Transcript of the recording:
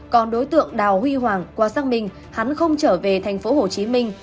còn đối tượng đào huy hoàng qua xác minh hắn không trở về thành phố hồ chí minh